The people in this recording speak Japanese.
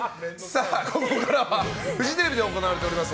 ここからはフジテレビで行われております